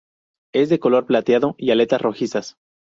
Es de color plateado y aletas rojizas.